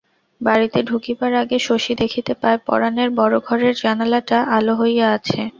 বাড়িতে ঢুকিবার আগে শশী দেখিতে পায় পরানের বড় ঘরের জানালাটা আলো হইয়া আছে।